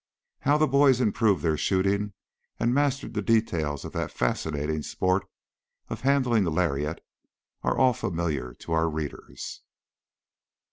How the boys improved their shooting and mastered the details of that fascinating sport of handling the lariat are all familiar to our readers.